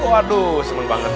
waduh seneng banget